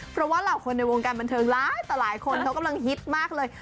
เพราะว่าเหล่าคนในวงการบันเทิงหลายต่อหลายคนเขากำลังฮิตมากเลย